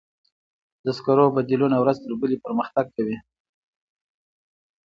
د سکرو بدیلونه ورځ تر بلې پرمختګ کوي.